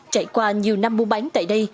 trải qua nhiều năm buôn bán tại đây